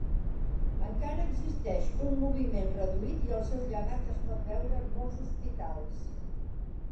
Encara existeix un moviment reduït i el seu llegat es pot veure en molts hospitals.